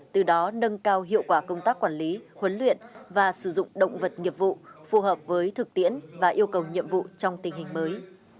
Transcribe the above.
từ đó nâng cao hiệu quả công tác quản lý huấn luyện và sử dụng động vật nghiệp vụ phù hợp với thực tiễn và yêu cầu nhiệm vụ trong tình hình mới